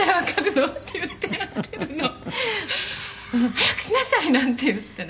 「“早くしなさい”なんて言ってね」